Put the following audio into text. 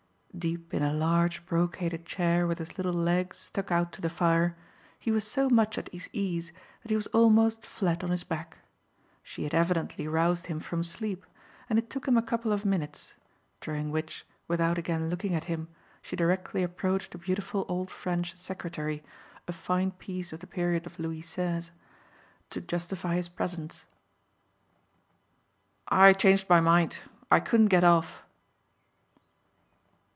Deep in a large brocaded chair with his little legs stuck out to the fire, he was so much at his ease that he was almost flat on his back. She had evidently roused him from sleep, and it took him a couple of minutes during which, without again looking at him, she directly approached a beautiful old French secretary, a fine piece of the period of Louis Seize to justify his presence. "I changed my mind. I couldn't get off."